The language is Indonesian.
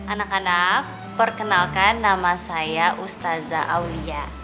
anak anak perkenalkan nama saya ustaza aulia